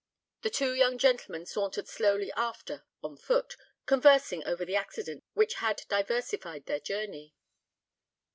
The two young gentlemen sauntered slowly after on foot, conversing over the accident which had diversified their journey.